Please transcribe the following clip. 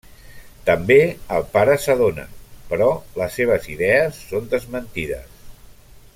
També el pare s'adona, però les seves idees són desmentides.